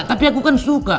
tapi aku kan suka